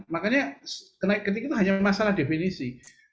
makanya kenaik ketik itu hanya masalah definisi